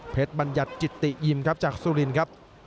เพชรบัญญัตจิตติยิ่มครับจากสุลินครับ